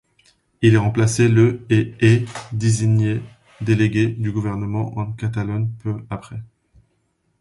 Il est remplacé le et est désigné délégué du gouvernement en Catalogne peu après.